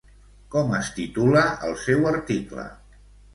Com es titula el seu article?